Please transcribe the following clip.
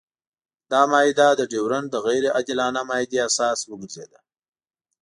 دا معاهده د ډیورنډ د غیر عادلانه معاهدې اساس وګرځېده.